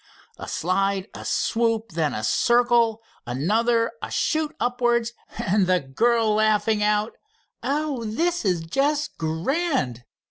"A slide, a swoop, then a circle, another, a shoot upwards, and the girl laughing out, 'Oh, this is just grand!'